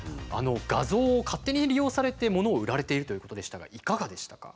画像を勝手に利用されてものを売られているということでしたがいかがでしたか？